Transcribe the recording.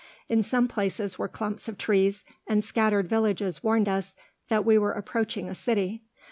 In some places were clumps of trees, and scattered villages warned us that we were approaching a city.